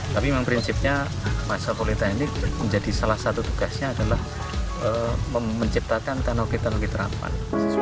tapi memang prinsipnya masa politek ini menjadi salah satu tugasnya adalah menciptakan teknologi yang lebih terapan